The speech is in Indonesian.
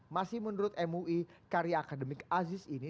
masih menurut mui karya akademik aziz ini